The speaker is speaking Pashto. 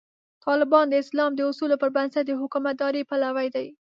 طالبان د اسلام د اصولو پر بنسټ د حکومتدارۍ پلوي دي.